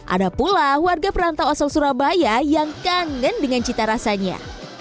ada pula warga perantau asal surabaya yang kangen dengan cita rasanya